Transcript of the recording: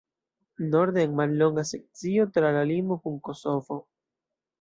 Norde en mallonga sekcio tra la limo kun Kosovo.